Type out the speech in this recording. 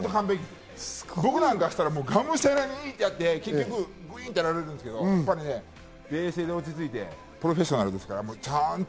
僕なんかだったら、がむしゃらに行ってグインってやられるんですけど、冷静に落ち着いて、プロフェッショナルですから、ちゃんと。